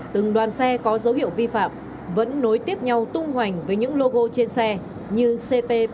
từng đoàn xe có dấu hiệu vi phạm vẫn nối tiếp nhau tung hoành với những logo trên xe như cp ba v cương thịnh